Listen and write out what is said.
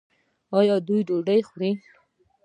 ایا ډوډۍ خورئ؟